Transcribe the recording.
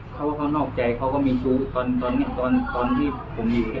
เขาว่าเขามิถุตอนที่ผมอยู่